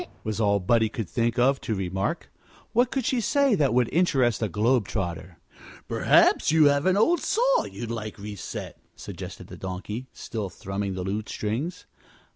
"Is it?" was all Buddie could think of to remark. What could she say that would interest a globe trotter? "Perhaps you have an old saw you'd like reset," suggested the Donkey, still thrumming the lute strings.